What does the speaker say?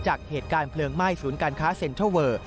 จากเหตุการณ์เพลิงไหม้ศูนย์การค้าเซ็นทรัลเวอร์